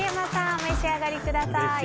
お召し上がりください。